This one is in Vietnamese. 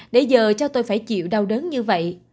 để giờ cho tôi phải chịu đau đớn như vậy